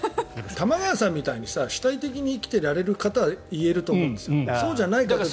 玉川さんみたいに主体的に生きている方は言えると思うんですけど。